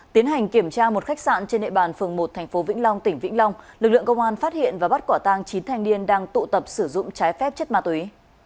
tiến hành kiểm tra một khách sạn trên địa bàn phường một tp vĩnh long tỉnh vĩnh long lực lượng công an phát hiện và bắt quả tang chín thanh niên đang tụ tập sử dụng trái phép chất ma túy